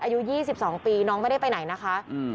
อายุยี่สิบสองปีน้องไม่ได้ไปไหนนะคะอืม